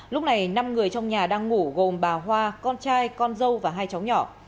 lúc này năm người trong nhà đang ngủ gồm bà hoa con trai con dâu và hai cháu nhỏ